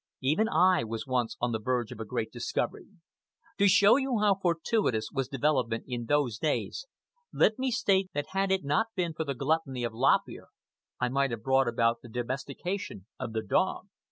Even I was once on the verge of a great discovery. To show you how fortuitous was development in those days let me state that had it not been for the gluttony of Lop Ear I might have brought about the domestication of the dog.